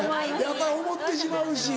やっぱり思ってしまうし。